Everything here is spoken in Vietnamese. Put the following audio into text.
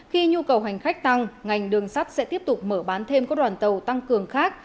khi nhu cầu hành khách tăng ngành đường sắt sẽ tiếp tục mở bán thêm các đoàn tàu tăng cường khác